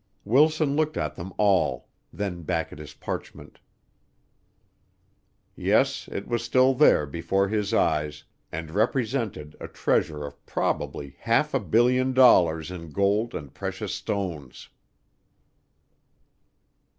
Wilson looked at them all; then back at his parchment. Yes, it was still there before his eyes, and represented a treasure of probably half a billion dollars in gold and precious stones!